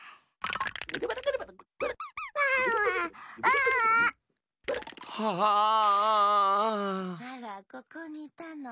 あらここにいたの？